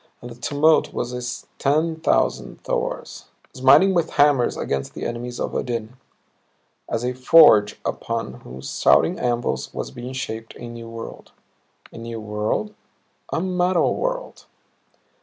And the tumult was as ten thousand Thors, smiting with hammers against the enemies of Odin. As a forge upon whose shouting anvils was being shaped a new world. A new world? A metal world!